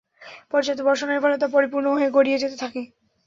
পর্যাপ্ত বর্ষণের ফলে তা পরিপূর্ণ হয়ে গড়িয়ে যেতে থাকে।